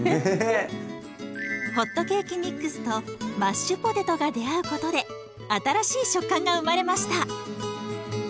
ホットケーキミックスとマッシュポテトが出会うことで新しい食感が生まれました。